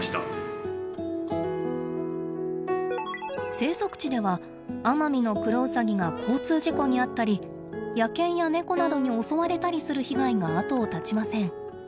生息地ではアマミノクロウサギが交通事故に遭ったり野犬や猫などに襲われたりする被害が後を絶ちません。